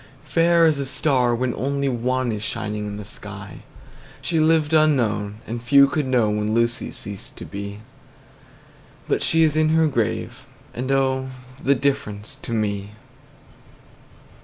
–Fair as a star, when only one Is shining in the sky. She lived unknown, and few could know When Lucy ceased to be; 10 But she is in her grave, and, oh, The difference to me!